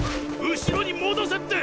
後ろに戻せって！